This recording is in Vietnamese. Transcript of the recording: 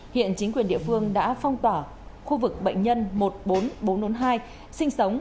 hiện chính quyền địa phương đã phong tỏa khu vực bệnh nhân một mươi bốn nghìn bốn trăm bốn mươi hai sinh sống